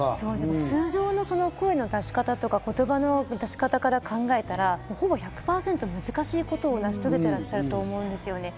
通常の声の出し方とか、言葉の出し方から考えたら、ほぼ１００％難しいことを成し遂げてらっしゃると思います。